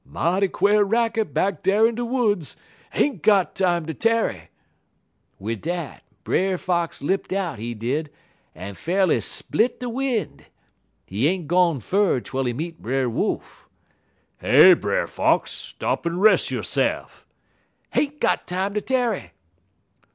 "'Mighty quare racket back dar in de woods! Ain't got time ter tarry!' "Wid dat, Brer Fox lipt out, he did, en fa'rly split de win'. He ain't gone fur twel he meet Brer Wolf. "'Hey, Brer Fox! Stop en res' yo'se'f!' "'Ain't got time ter tarry!'